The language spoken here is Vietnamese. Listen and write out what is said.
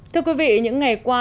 thưa quý vị những ngày qua